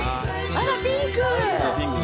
あらピンク。